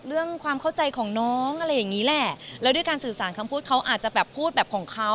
เรื่องความเข้าใจของน้องอะไรอย่างงี้แหละแล้วด้วยการสื่อสารคำพูดเขาอาจจะแบบพูดแบบของเขา